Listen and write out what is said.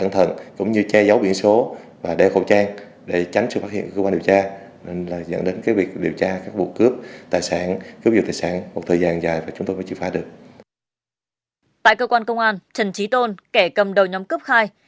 tại cơ quan công an trần trí tôn kẻ cầm đầu nhóm cướp khai